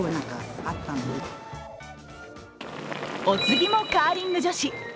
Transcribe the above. お次もカーリング女子。